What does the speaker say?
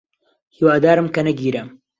هیوادارم کە نەگیرێم.